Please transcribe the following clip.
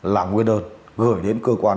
là nguyên đơn gửi đến cơ quan